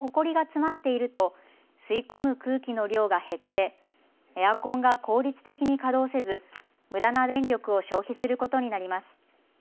フィルターにほこりが詰まっていると吸い込む空気の量が減ってエアコンが効率的に稼働せずむだな電力を消費することになります。